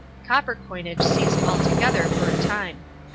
Copper coinage ceased altogether for a time.